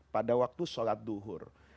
pada waktu sholat duhur